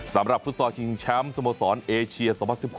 สำหรับฟุตซอลชิงช้ำสมสรรค์เอเชีย๒๐๑๖